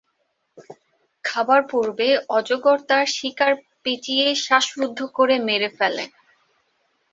খাবার পূর্বে অজগর তার শিকার পেঁচিয়ে শ্বাসরুদ্ধ করে মেরে ফেলে।